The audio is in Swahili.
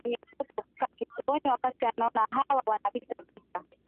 kwa hivyo mama mwenye mtoto kukaa kituoni wakati anaona hawa wana pita pita